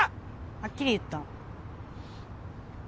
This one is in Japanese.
はっきり言った。